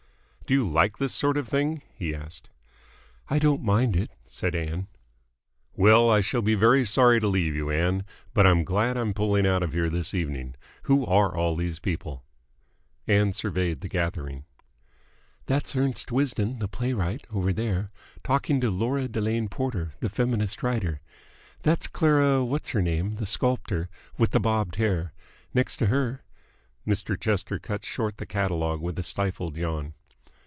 "Do you like this sort of thing?" he asked. "I don't mind it," said Ann. "Well, I shall be very sorry to leave you, Ann, but I'm glad I'm pulling out of here this evening. Who are all these people?" Ann surveyed the gathering. "That's Ernest Wisden, the playwright, over there, talking to Lora Delane Porter, the feminist writer. That's Clara What's her name, the sculptor, with the bobbed hair. Next to her " Mr. Chester cut short the catalogue with a stifled yawn.